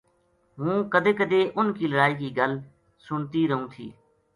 ہوں کدے کدے اُنھ کی لڑائی کی گل سنتی رہوں تھی